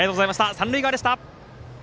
三塁側でした。